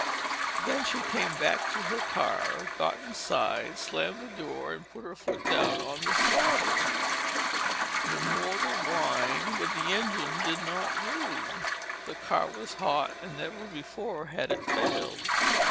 Then she came back to her car, got inside, slammed the door and put her foot down on the starter. The motor whined but the engine did not move. The car was hot and never before had it failed.